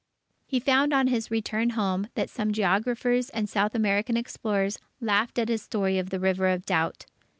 He found on his return home that some geographers and South American explorers laughed at his story of the River of Doubt.